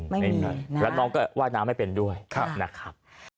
ไม่มีแล้วน้องก็ว่ายน้ำไม่เป็นด้วยนะครับ